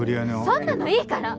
そんなのいいから！